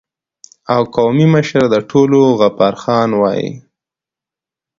او قومي مشر د ټولو غفار خان وای